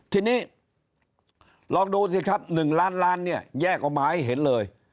ทีนี้ลองดูสิครับ๑ล้านล้านเนี่ยแยกออกมาให้เห็นเลย